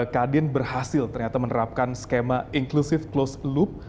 kadien berhasil ternyata menerapkan skema inclusive closed loop